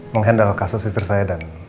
menghandle kasus istri saya dan